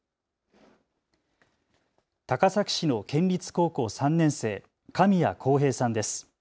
高崎市の県立高校３年生、神谷航平さんです。